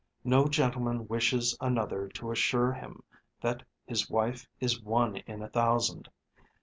No gentleman wishes another to assure him that his wife is one in a thousand.